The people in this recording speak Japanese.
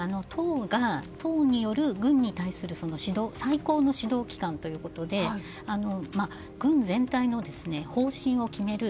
党による、軍に対する最高の指導機関ということで軍全体の方針を決める